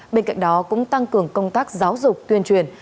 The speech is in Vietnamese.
bên cạnh đó cũng tăng cường công tác giáo dục tuyên truyền